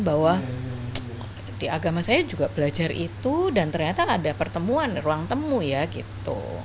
bahwa di agama saya juga belajar itu dan ternyata ada pertemuan ruang temu ya gitu